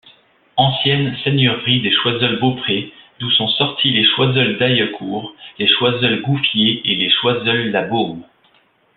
Ancienne seigneurie des Choiseul-Beaupré, d'où sont sortis les Choiseul-Daillecourt, les Choiseul-Gouffier et les Choiseul-la-Beaume.